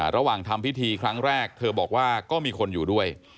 ระหว่างทำพิธีครั้งแรกเธอบอกว่าก็มีคนอยู่ด้วย